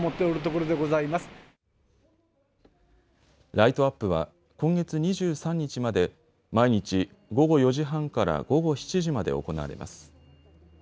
ライトアップは今月２３日まで毎日、午後４時半から午後７時まで行われます。